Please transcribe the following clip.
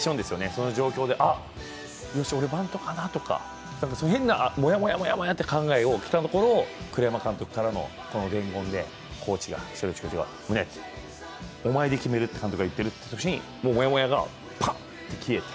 その状況で、俺、バントかなとか、変なもやもやした考えをしていたところ、栗山監督からのこの伝言でコーチが、ムネ、お前で決めるって監督が言っているときにもやもやが、パッと消えて